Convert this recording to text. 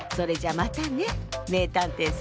またね！